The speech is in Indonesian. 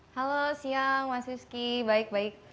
halo siang mas rizky baik baik